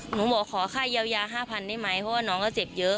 หนูบอกขอค่าเยาวิยาห้าพันได้ไหมเพราะว่าน้องเขาเจ็บเยอะ